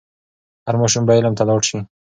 هر ماشوم به علم ته لاړ سي.